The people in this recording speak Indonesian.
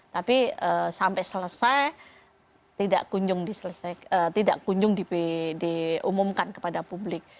tapi sampai selesai tidak kunjung diumumkan kepada publik